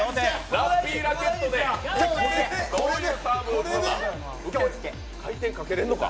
ラッピーラケットでどういうサーブを打つのか。